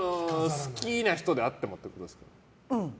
好きな人であってもということですか？